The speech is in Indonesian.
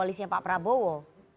koalisinya pak prabowo